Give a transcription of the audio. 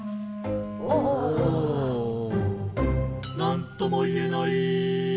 「何とも言えない」